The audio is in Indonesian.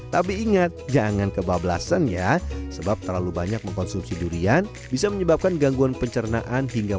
tapi ingat jangan kebablasan ya sebab terlalu banyak mengkonsumsi durian bisa menyebabkan gangguan pencernaan hingga